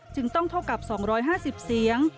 จึงต้องเท่ากับ๒๕๐เสียง